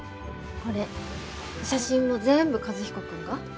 これ写真も全部和彦君が？